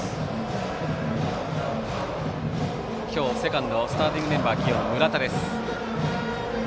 今日セカンドスターティングメンバー起用の村田です。